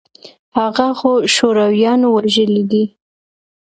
هغه خو شورويانو وژلى دى.